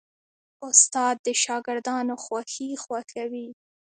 استاد د شاګردانو خوښي خوښوي.